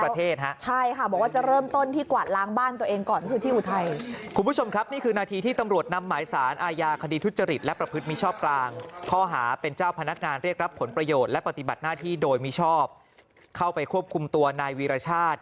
อธิบัติหน้าที่โดยมีชอบเข้าไปควบคุมตัวนายวีรชาติ